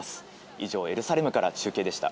以上、エルサレムから中継でした。